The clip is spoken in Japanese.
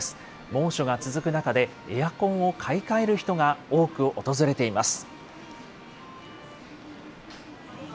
猛暑が続く中で、エアコンを買い替える人が多く訪れています。